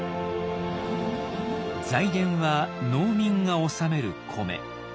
財源は農民が納める米。